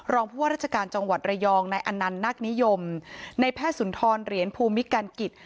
ผู้ว่าราชการจังหวัดระยองนายอนันต์นักนิยมในแพทย์สุนทรเหรียญภูมิกันกิจ